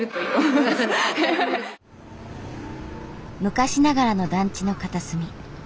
昔ながらの団地の片隅。